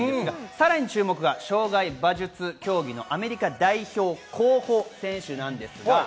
さらに注目は障害馬術競技のアメリカ代表候補選手です。